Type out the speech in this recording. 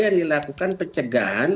yang dilakukan pencegahan